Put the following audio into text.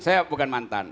saya bukan mantan